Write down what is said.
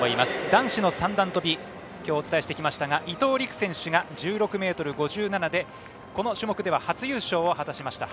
男子の三段跳びきょうお伝えしてきましたが伊藤陸選手が１６ｍ５７でこの種目では初優勝を果たしました。